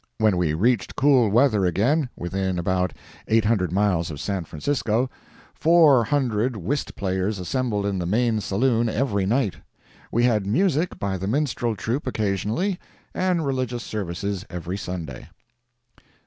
When we reached cool weather again, within about eight hundred miles of San Francisco four hundred whist players assembled in the main saloon every night. We had music by the minstrel troupe occasionally, and religious services every Sunday.